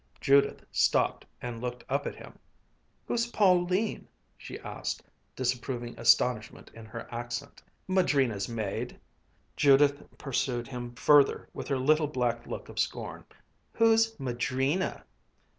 Judith stopped and looked up at him. "Who's Pauline?" she asked, disapproving astonishment in her accent. "Madrina's maid." Judith pursued him further with her little black look of scorn. "Who's Madrina?"